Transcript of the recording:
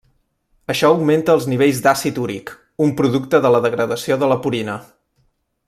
Això augmenta els nivells d'àcid úric, un producte de la degradació de la purina.